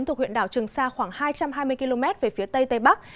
thuộc huyện đảo trường sa khoảng hai trăm hai mươi km về phía tây tây bắc